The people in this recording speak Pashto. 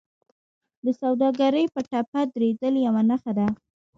د سوداګرۍ په ټپه درېدل یوه نښه ده